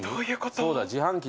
そうだ自販機だ。